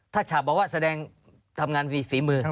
ถ้าชาปเบาะแสดงทำงานฝีมือจำ